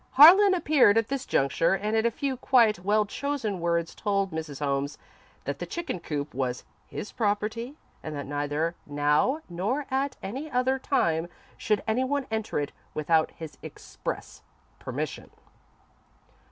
Harlan appeared at this juncture, and in a few quiet, well chosen words told Mrs. Holmes that the chicken coop was his property, and that neither now nor at any other time should any one enter it without his express permission.